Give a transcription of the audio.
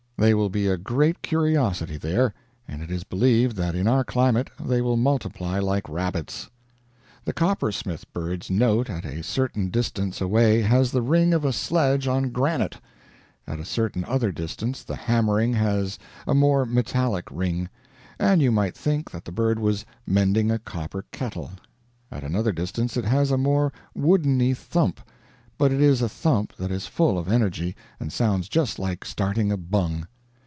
They will be a great curiosity there, and it is believed that in our climate they will multiply like rabbits. The coppersmith bird's note at a certain distance away has the ring of a sledge on granite; at a certain other distance the hammering has a more metallic ring, and you might think that the bird was mending a copper kettle; at another distance it has a more woodeny thump, but it is a thump that is full of energy, and sounds just like starting a bung.